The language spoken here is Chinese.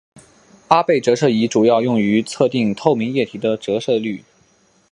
阿贝折射仪主要用于测定透明液体的折射率。